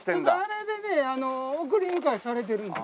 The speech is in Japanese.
あれでね送り迎えされてるんです。